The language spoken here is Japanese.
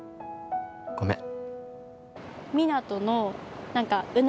ごめん。